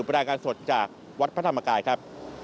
รายงานสดจากวัดพระธรรมกายครับ